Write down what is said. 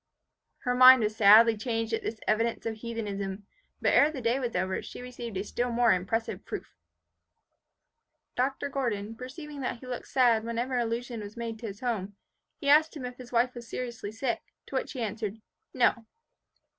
Her mind was sadly changed at this evidence of heathenism; but ere the day was over she received a still more impressive proof. Dr. Gordon perceiving that he looked sad whenever an allusion was made to his home, he asked him if his wife was seriously sick, to which he answered, No.